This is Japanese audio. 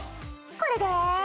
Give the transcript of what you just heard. これで。